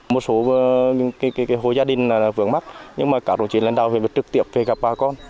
một số hồ gia đình vướng mắt nhưng mà cả đồng chí lãnh đạo huyện được trực tiếp về gặp bà con